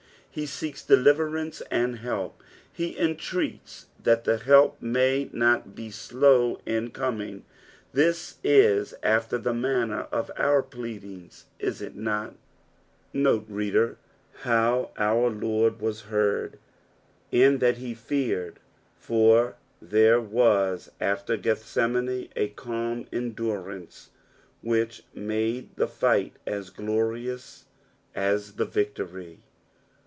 He seeks deliverance and help ; and he entreats that the help may not be slow in coming ; this is after the manner of our pleadings. Is it not t Note, reader, how our Iiord was heard in that he feared, fur there was after Gethsemane a calm endnraiice which made the fleht as glorious as the victory.